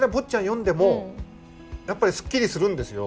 読んでもやっぱりスッキリするんですよ。